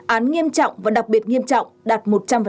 án nghiêm trọng và đặc biệt nghiêm trọng đạt một trăm linh